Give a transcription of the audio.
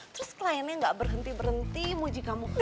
terus kliennya gak berhenti berhenti muji kamu